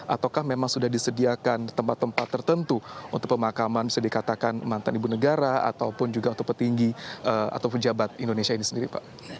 ataukah memang sudah disediakan tempat tempat tertentu untuk pemakaman bisa dikatakan mantan ibu negara ataupun juga untuk petinggi atau pejabat indonesia ini sendiri pak